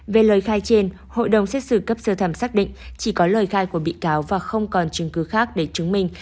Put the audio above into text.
về lời khai trên hội đồng xét xử cấp sơ thẩm xác định chỉ có lời khai của bị cáo và không còn chứng cứ khác để chứng minh